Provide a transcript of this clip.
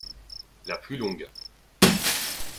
La plus longue.